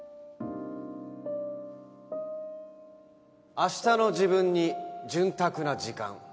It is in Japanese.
「明日の自分に潤沢な時間」。